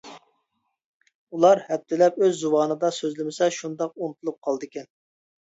ئۇلار ھەپتىلەپ ئۆز زۇۋانىدا سۆزلىمىسە شۇنداق ئۇنتۇلۇپ قالىدىكەن.